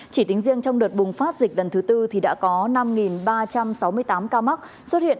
chỉ tính riêng trong đợt bùng phát dịch lần thứ tư thì đã có năm ba trăm sáu mươi tám ca mắc xuất hiện